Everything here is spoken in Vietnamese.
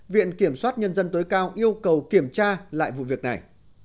viện kiểm sát nhân dân tối cao yêu cầu kiểm tra lại vụ việc này